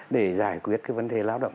để giải quyết cái vấn đề lao động